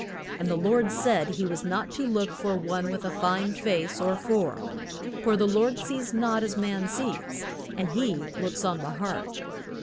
And the Lord said he was not to look for one with a fine face or form. For the Lord sees not as man sees, and he looks on the heart.